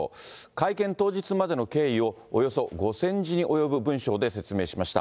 会見当日までの経緯を、およそ５０００字に及ぶ文章で説明しました。